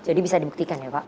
jadi bisa dibuktikan ya pak